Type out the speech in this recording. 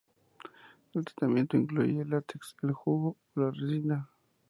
El tratamiento incluye el látex, el jugo o la resina.